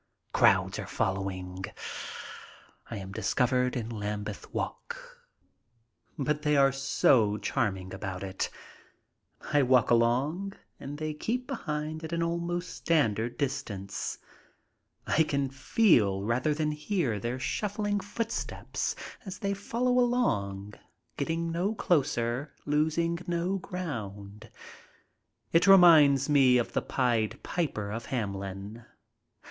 Crowds are following. I am dis covered in Lambeth Walk. But they are so charming about it. I walk along and they keep behind at an almost standard distance. I can feel rather than hear their shuffling footsteps as they follow along, getting no closer, losing no ground. It reminds me of "The Pied Piper of Hamelin."